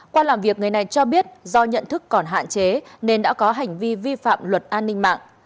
qua làm việc người này cho biết do nhận thức còn hạn chế nên đã có hành vi vi phạm luật an ninh mạng